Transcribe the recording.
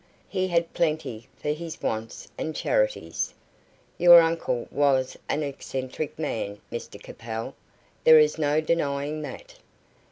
He had plenty for his wants and charities. Your uncle was an eccentric man, Mr Capel; there is no denying that."